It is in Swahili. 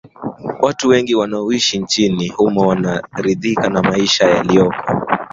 Watu wengi wanaoishi nchini humo wanaridhika na maisha yaliyoko